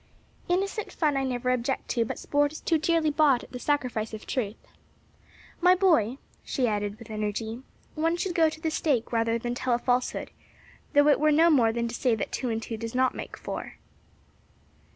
"Innocent fun I never object to, but sport is too dearly bought at the sacrifice of truth. "My boy," she added with energy, "one should go to the stake rather than tell a falsehood; though it were no more than to say that two and two do not make four."